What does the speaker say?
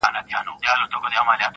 • په ککړو په مستیو په نارو سوه -